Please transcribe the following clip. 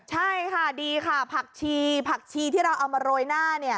ใช่ค่ะดีค่ะผักชีผักชีที่เราเอามาโรยหน้า